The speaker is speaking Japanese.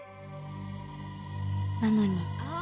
なのに